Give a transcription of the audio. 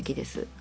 あ！